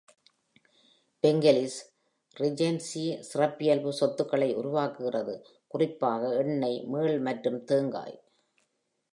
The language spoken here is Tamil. Bengkalis Regency சிறப்பியல்பு சொத்துக்களை உருவாக்குகிறது, குறிப்பாக எண்ணெய், மீள் மற்றும் தேங்காய்.